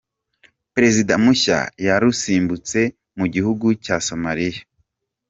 Perezida mushya yarusimbutse Mugihugu Cya Somaliya